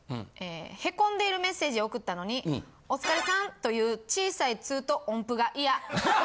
ヘコんでいるメッセージを送ったのに「お疲れさんっ」という小さい「っ」と音符が嫌。